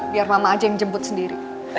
biar mama aja yang jemput sendiri